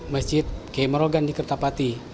masjid k marogan di kertapati